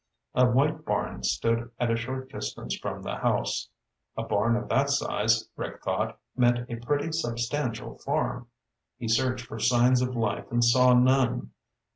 A white barn stood at a short distance from the house. A barn of that size, Rick thought, meant a pretty substantial farm. He searched for signs of life and saw none.